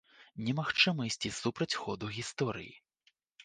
Немагчыма ісці супраць ходу гісторыі.